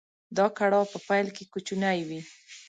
دا کړاو په پيل کې کوچنی وي.